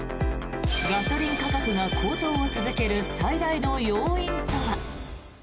ガソリン価格が高騰を続ける最大の要因とは。